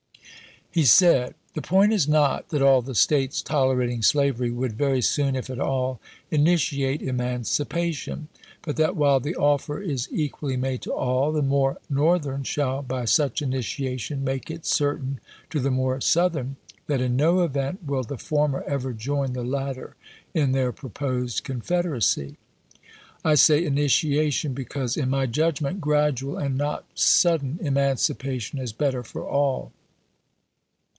He said :" Globe," March 6, 1862, p. 1102. The point is not that all the States tolerating slavery would very soon, if at all, initiate emancipation ; but that while the offer is equally made to all, the more Northern shall, by such initiation, make it certain to the more South ern that in no event will the former ever join the latter in their proposed Confederacy. I say " initiation " because, in my judgment, gradual, and not sudden, emancipation is better for all.